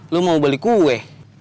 lu mau beli kue